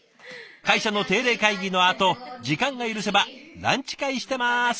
会社の定例会議のあと時間が許せばランチ会してます